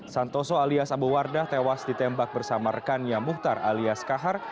santoso alias abu wardah tewas ditembak bersama rekannya muhtar alias kahar